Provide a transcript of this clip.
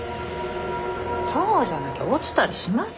そうじゃなきゃ落ちたりしませんよ。